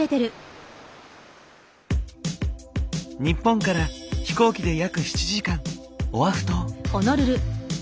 日本から飛行機で約７時間オアフ島。